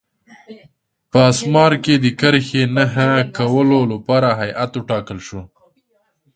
په اسمار کې د کرښې د نښه کولو لپاره هیات وټاکل شو.